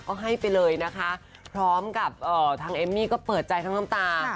ก็ให้ไปเลยนะคะพร้อมกับทางเอมมี่ก็เปิดใจทั้งน้ำตา